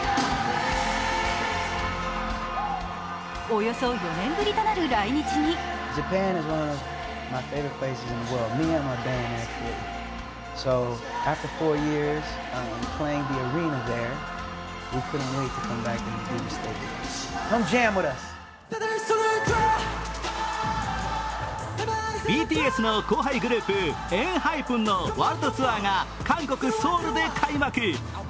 およそ４年ぶりとなる来日にＢＴＳの後輩グループ・ＥＮＨＹＰＥＮのワールドツアーが韓国・ソウルで開幕。